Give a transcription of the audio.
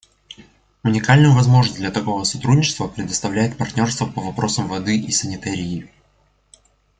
Уникальную возможность для такого сотрудничества предоставляет партнерство по вопросам воды и санитарии.